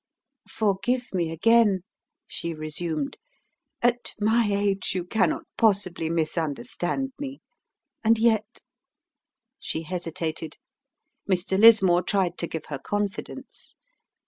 "Forgive me again," she resumed. "At my age you cannot possibly misunderstand me; and yet " She hesitated. Mr. Lismore tried to give her confidence.